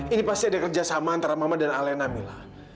ini pasti ada kerjasama antara mama dan alena mila